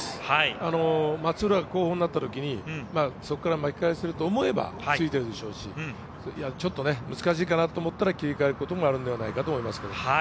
松浦が後方になったときにそこから巻き返すと思えばついていくでしょうし、難しいと思えば切り替えることもあると思います。